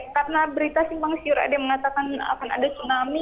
karena berita sih bang siurade mengatakan akan ada tsunami